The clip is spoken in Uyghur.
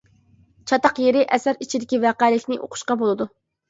چاتاق يېرى ئەسەر ئىچىدىكى ۋەقەلىكنى ئوقۇشقا بولىدۇ.